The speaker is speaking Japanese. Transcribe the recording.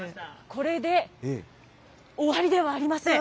これで終わりではありません。